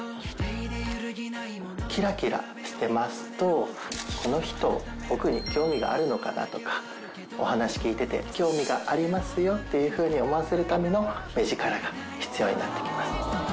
きらきらしてますとこの人僕に興味があるのかなとかお話聞いてて興味がありますよっていうふうに思わせるための目力が必要になってきます。